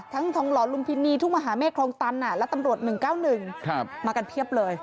ทองหล่อลุมพินีทุกมหาเมฆคลองตันและตำรวจ๑๙๑มากันเพียบเลย